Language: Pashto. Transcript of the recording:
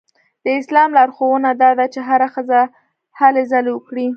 د اسلام لارښوونه دا ده چې هره ښځه هلې ځلې وکړي.